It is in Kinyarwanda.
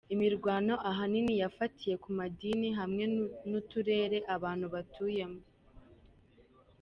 Imirwano ahanini yafatiye ku madini hamwe n'uturere abantu batuyemwo.